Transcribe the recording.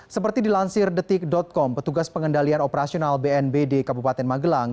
seperti dilansir detik com petugas pengendalian operasional bnbd kabupaten magelang